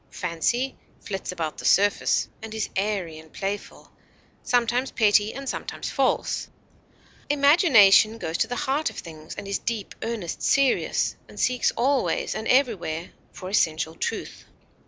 Fancy flits about the surface, and is airy and playful, sometimes petty and sometimes false; imagination goes to the heart of things, and is deep, earnest, serious, and seeks always and everywhere for essential truth.